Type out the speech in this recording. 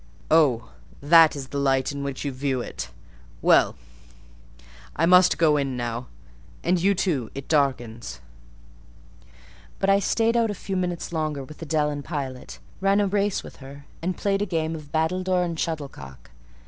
"Oh, that is the light in which you view it! Well, I must go in now; and you too: it darkens." But I stayed out a few minutes longer with Adèle and Pilot—ran a race with her, and played a game of battledore and shuttlecock.